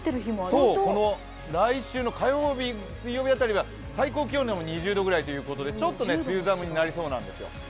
来週の火曜日、水曜日辺りが最高気温でも２０度ぐらいということでちょっと梅雨寒になりそうなんですよ。